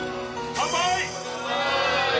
乾杯！